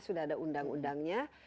sudah ada undang undangnya